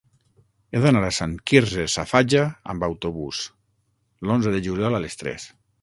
He d'anar a Sant Quirze Safaja amb autobús l'onze de juliol a les tres.